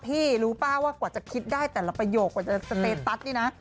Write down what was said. พี่รู้ป่ะว่ากว่าจะคิดได้แต่ละประโยคกว่าจะสเตตัสนี่นะ